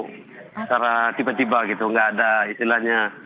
karena tiba tiba gitu nggak ada istilahnya